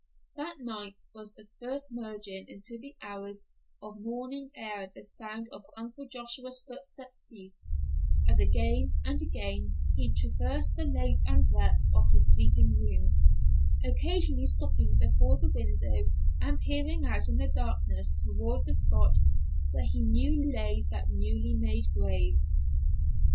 That night was fast merging into the hours of morning ere the sound of Uncle Joshua's footsteps ceased, as again and again he traversed the length and breadth of his sleeping room, occasionally stopping before the window and peering out in the darkness toward the spot where he knew lay that newly made grave.